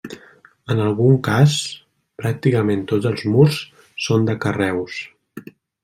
En algun cas, pràcticament tots els murs són de carreus.